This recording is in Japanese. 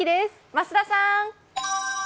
増田さーん。